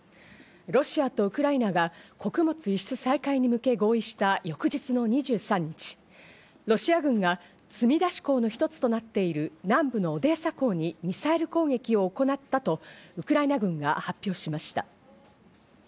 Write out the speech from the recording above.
ロシアとウクライナが穀物輸出再開に向けて合意した翌日の２３日、ロシア軍が積み出し港の一つとなっている南部のオデーサ港にミサイル攻撃を行ったとウクライナ軍が発表しました。